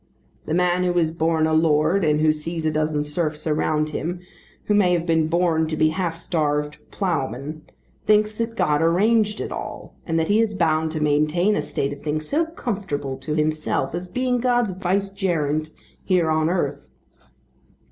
The man who is born a lord and who sees a dozen serfs around him who have been born to be half starved ploughmen, thinks that God arranged it all and that he is bound to maintain a state of things so comfortable to himself, as being God's vicegerent here on earth.